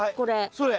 それ。